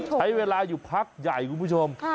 ใช้เวลาอยู่พักใหญ่คุณผู้ชม